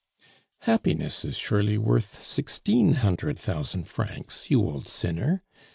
"Happiness is surely worth sixteen hundred thousand francs, you old sinner.